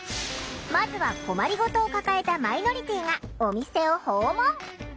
まずは困り事を抱えたマイノリティーがお店を訪問。